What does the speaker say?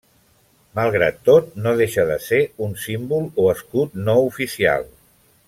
Malgrat tot no deixa de ser un símbol o escut no oficial.